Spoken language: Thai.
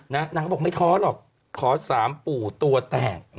นางก็บอกไม่ท้อหรอกขอ๓ปู่ตัวแตก